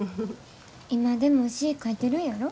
今でも詩ぃ書いてるんやろ？